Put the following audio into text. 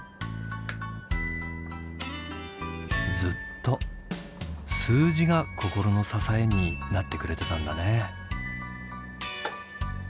ずっと数字が心の支えになってくれてたんだね。